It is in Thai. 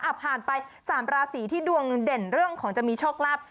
ผ่านไป๓ราศีที่ดวงเด่นเรื่องของจะมีโชคลาภ